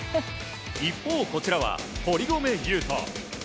一方、こちらは堀米雄斗。